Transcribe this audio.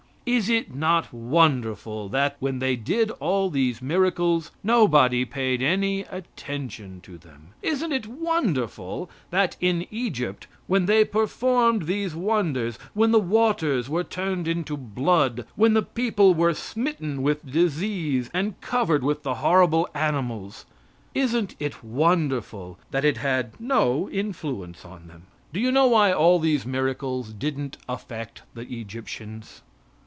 Is it not wonderful that when they did all these miracles nobody paid any attention to them? Isn't it wonderful that, in Egypt, when they performed these wonders when the waters were turned into blood, when the people were smitten with disease and covered with the horrible animals isn't it wonderful that it had no influence on them? Do you know why all these miracles didn't affect the Egyptians?